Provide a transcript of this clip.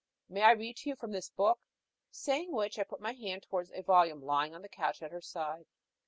"May I read to you from this book?" Saying which, I put my hand towards a volume lying on the couch at her side.